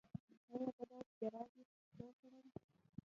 ایا زه باید جرابې په پښو کړم؟